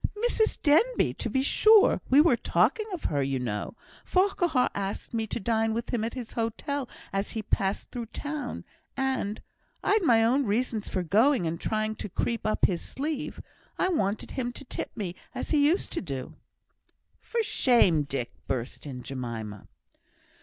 "Mrs Denbigh, to be sure. We were talking of her, you know. Farquhar asked me to dine with him at his hotel as he passed through town, and I'd my own reasons for going and trying to creep up his sleeve I wanted him to tip me, as he used to do." "For shame! Dick," burst in Jemima.